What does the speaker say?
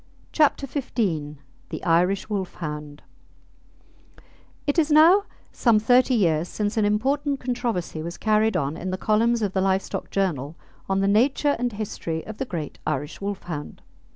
CHAPTER XV THE IRISH WOLFHOUND It is now some thirty years since an important controversy was carried on in the columns of The Live Stock Journal on the nature and history of the great Irish Wolfhound.